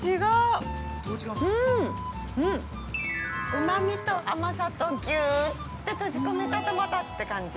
◆うまみと甘さと、ぎゅって閉じ込めたトマトって感じ。